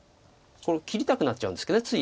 これ切りたくなっちゃうんですけど。